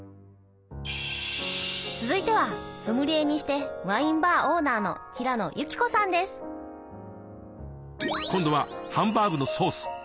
続いてはソムリエにしてワインバーオーナーの今度はハンバーグのソース！